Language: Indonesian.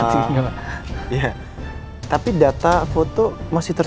ya saya beli yang murah murah aja pak